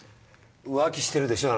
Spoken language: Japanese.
浮気してるでしょ？